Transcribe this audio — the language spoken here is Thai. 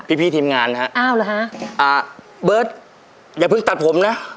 พี่พี่ทีมงานฮะอ้าวเหรอฮะอ่าเบิร์ตอย่าเพิ่งตัดผมนะ